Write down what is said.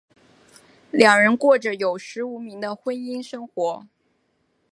两人过着有名无实的婚姻生活。